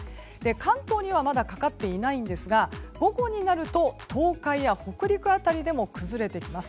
関東にはまだかかっていませんが午後になると東海や北陸辺りでも崩れてきます。